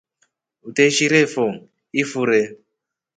Uteeshirefo ifure.